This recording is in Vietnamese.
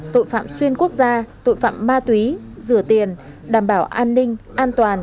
tội phạm xuyên quốc gia tội phạm ma túy rửa tiền đảm bảo an ninh an toàn